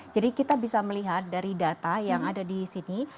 jadi kita bisa melihat dari data yang ada di sini